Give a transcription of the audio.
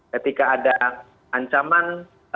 ketika ada ancaman